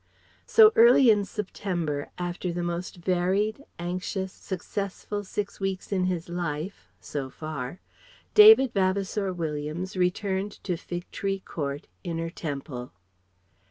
So early in September, after the most varied, anxious, successful six weeks in his life so far David Vavasour Williams returned to Fig Tree Court, Inner Temple.